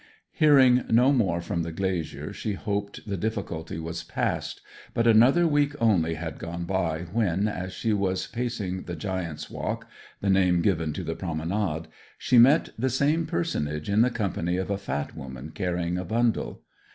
Hearing no more from the glazier she hoped the difficulty was past. But another week only had gone by, when, as she was pacing the Giant's Walk (the name given to the promenade), she met the same personage in the company of a fat woman carrying a bundle.